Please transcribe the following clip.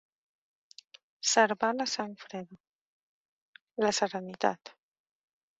Servar la sang freda, la serenitat.